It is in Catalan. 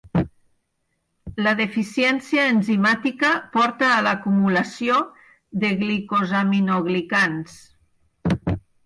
La deficiència enzimàtica porta a l’acumulació de glicosaminoglicans.